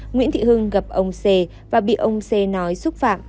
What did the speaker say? nguyễn thị hưng gặp ông c và bị ông c nói xúc phạm